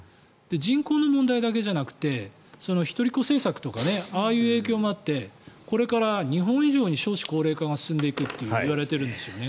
人口の問題だけじゃなくて一人っ子政策とかああいう影響もあってこれから日本以上に少子高齢化が進んでいくといわれているんですね。